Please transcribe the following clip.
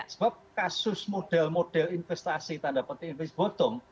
sebab kasus model model investasi tanda penting investasi botong